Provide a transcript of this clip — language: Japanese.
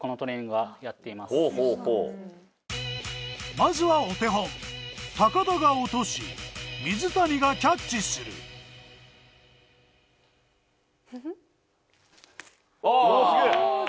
まずはお手本田が落とし水谷がキャッチするすげぇ！